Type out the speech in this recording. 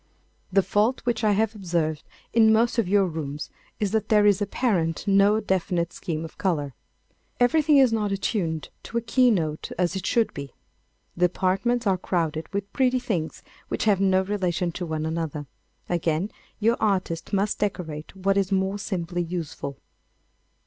The fault which I have observed in most of your rooms is that there is apparent no definite scheme of colour. Everything is not attuned to a key note as it should be. The apartments are crowded with pretty things which have no relation to one another. Again, your artists must decorate what is more simply useful.